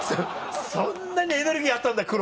そんなにエネルギーあったんだ黒風間。